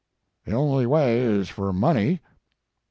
" The only way is for money.